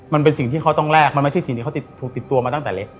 มันเป็นสิ่งที่เขาต้องแลกมันไม่ใช่สิ่งที่เขาถูกติดตัวมาตั้งแต่เล็ก